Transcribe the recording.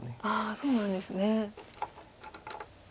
そうなんですね。